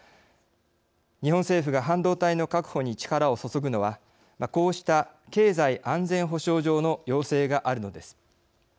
日本政府が半導体の確保に力を注ぐのはこうした経済安全保障上の要請があるのです。